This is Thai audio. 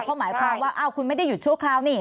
เขาหมายความว่าคุณไม่ได้หยุดชั่วคราวนี่